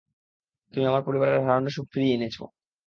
তুমি আমার পরিবারের হারানো সুখ ফিরিয়ে এনেছ।